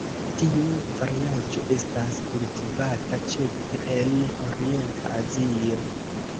Tiu variaĵo estas kultivata ĉefe en Orienta Azio.